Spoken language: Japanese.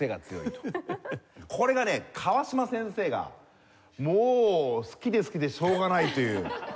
これがね川島先生がもう好きで好きでしょうがないという。